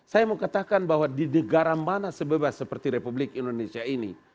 saya mau katakan bahwa di negara mana sebebas seperti republik indonesia ini